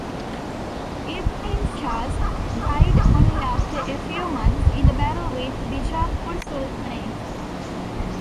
Ibrahim Shah died only after a few months in the battle with Bijapur sultanate.